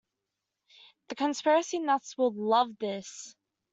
The conspiracy nuts will love this.